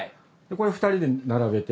これ２人で並べて？